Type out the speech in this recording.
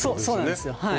そうなんですよ。